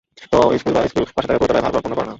তো স্কুল পাশে থাকায় পতিতালয়ে ভালো প্রভাব কেনো পড়ে না?